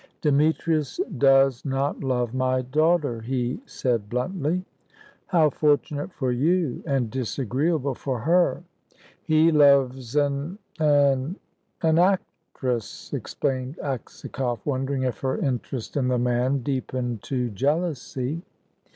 "Demetrius does not love my daughter," he said bluntly. "How fortunate for you, and disagreeable for her!" "He loves an an an actress," explained Aksakoff, wondering if her interest in the man deepened to jealousy.